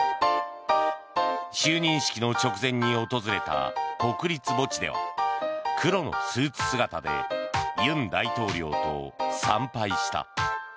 就任式の直前に訪れた国立墓地では黒のスーツ姿で尹大統領と参拝した。